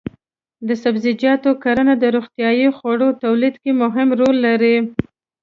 د سبزیجاتو کرنه د روغتیايي خوړو تولید کې مهم رول لري.